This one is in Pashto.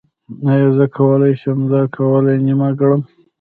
ایا زه کولی شم دا ګولۍ نیمه کړم؟